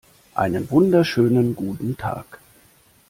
Einen wunderschönen guten Tag!